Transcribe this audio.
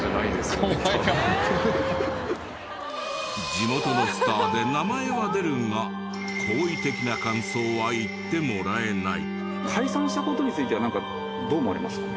地元のスターで名前は出るが好意的な感想は言ってもらえない。